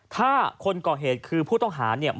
ถ้าคนก่อเหตุคือผู้ต้องหาเนี่ย